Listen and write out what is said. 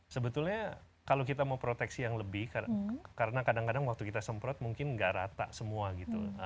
sebetulnya kalau kita mau proteksi yang lebih karena kadang kadang waktu kita semprot mungkin nggak rata semua gitu